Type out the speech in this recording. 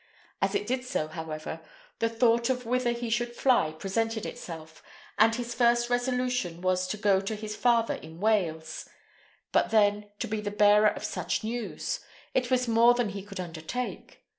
As it did so, however, the thought of whither he should fly presented itself, and his first resolution was to go to his father in Wales; but then, to be the bearer of such news! it was more than he could undertake.